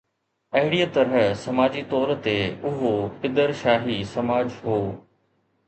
اهڙيءَ طرح سماجي طور تي اهو پدرشاهي سماج هو.